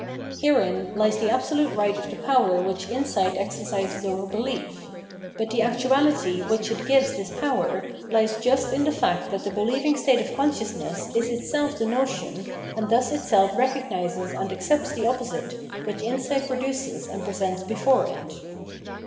Herein lies the absolute right of the power which insight exercises over belief; but the actuality which it gives this power lies just in the fact that the believing state of consciousness is itself the notion and thus itseH recognises and accepts the opposite which insight produces and presents before it.